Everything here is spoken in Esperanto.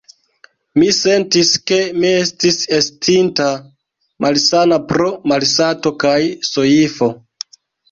Mi sentis, ke mi estis estinta malsana pro malsato kaj soifo.